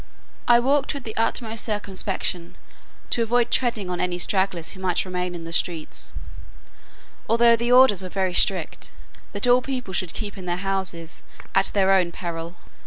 I walked with the utmost circumspection, to avoid treading on any stragglers who might remain in the streets, although the orders were very strict, that all people should keep in their houses, at their own peril.